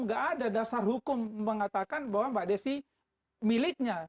nggak ada dasar hukum mengatakan bahwa mbak desi miliknya